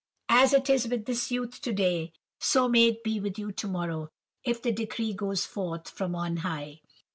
As it is with this youth to day, so may it be with you to morrow, if the decree goes forth from on high.